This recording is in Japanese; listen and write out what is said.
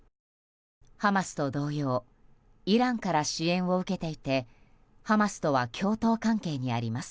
ハマスと同様イランから支援を受けていてハマスとは共闘関係にあります。